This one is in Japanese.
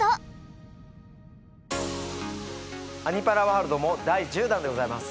「アニ×パラワールド」も第１０弾でございます。